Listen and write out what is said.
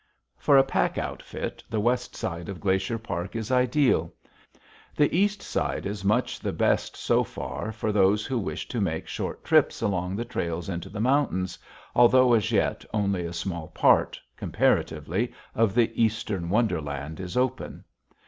For a pack outfit, the west side of Glacier Park is ideal. The east side is much the best so far for those who wish to make short trips along the trails into the mountains, although as yet only a small part, comparatively, of the eastern wonderland is open.